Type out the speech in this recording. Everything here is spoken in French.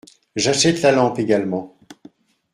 J’achète la lampe également.